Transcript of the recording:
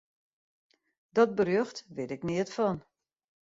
Dat berjocht wit ik neat fan.